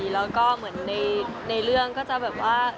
แล้วก็เหมือนในเรื่องก็จะแบบว่า